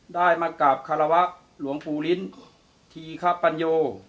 ได้มากราบคารวะหลวงปู่ลิ้นธีคปัญโย